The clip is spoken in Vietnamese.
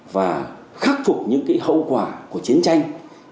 và khắc phục những hậu quả của chiến tranh